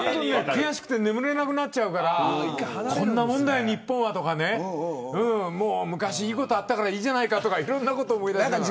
悔しくて眠れなくなっちゃうからこんなもんだよ日本は、とか昔いいことがあったからいいじゃないかとか。